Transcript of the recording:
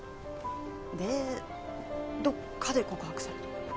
でどっかで告白された。